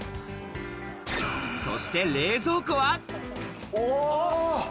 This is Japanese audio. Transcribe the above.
そして、冷蔵庫は？